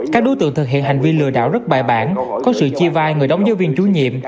các đối tượng thực hiện hành vi lừa đảo rất bài bản có sự chia vai người đóng giáo viên chú nhiệm